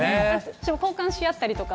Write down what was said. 私も交換し合ったりとか。